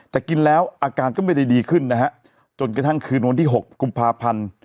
แต่กินแล้วอาการก็ไม่ได้ดีขึ้นนะฮะจนกระทั่งคืนวันที่๖กุมภาพันธ์